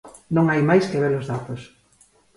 Non hai máis que ver os datos.